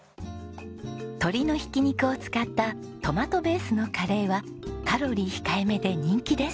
鶏のひき肉を使ったトマトベースのカレーはカロリー控えめで人気です。